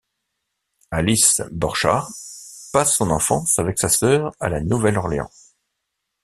Alice Borchardt passe son enfance avec sa sœur à La Nouvelle-Orléans.